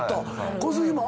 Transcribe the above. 小杉も？